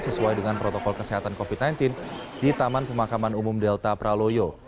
sesuai dengan protokol kesehatan covid sembilan belas di taman pemakaman umum delta praloyo